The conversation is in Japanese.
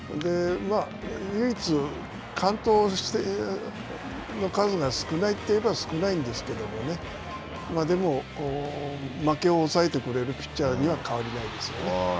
唯一、完投してる数が少ないといえば少ないんですけどもねでも、負けを抑えてくれるピッチャーには変わりないですよね。